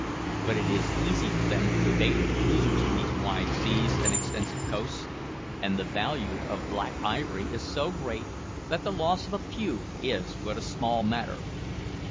But it is easy for them to evade the cruisers in these wide seas and extensive coasts, and the value of Black Ivory is so great that the loss of a few is but a small matter.